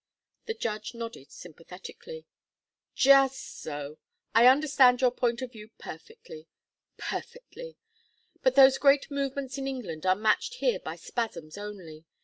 The judge nodded sympathetically. "Just so. I understand your point of view perfectly. Perfectly. But those great movements in England are matched here by spasms only.